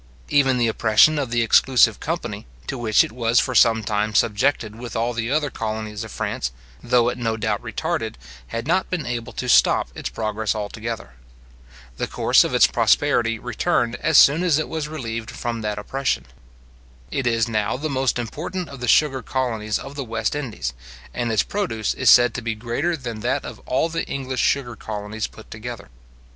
Even the oppression of the exclusive company, to which it was for some time subjected with all the other colonies of France, though it no doubt retarded, had not been able to stop its progress altogether. The course of its prosperity returned as soon as it was relieved from that oppression. It is now the most important of the sugar colonies of the West Indies, and its produce is said to be greater than that of all the English sugar colonies put together.